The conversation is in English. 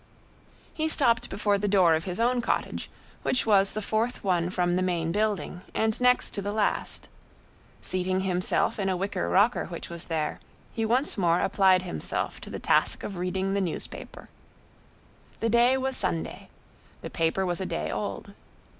He stopped before the door of his own cottage, which was the fourth one from the main building and next to the last. Seating himself in a wicker rocker which was there, he once more applied himself to the task of reading the newspaper. The day was Sunday; the paper was a day old.